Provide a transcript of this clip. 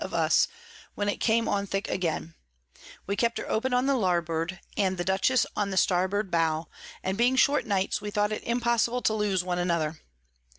of us, when it came on thick again; we kept her open on the Larboard, and the Dutchess on the Starboard Bow, and being short Nights, we thought it impossible to lose one another.